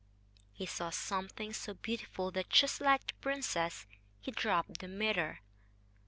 He saw something so beautiful that, just like the princess, he dropped the mirror.